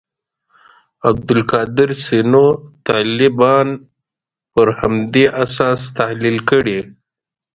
عبدالقادر سینو طالبان پر همدې اساس تحلیل کړي.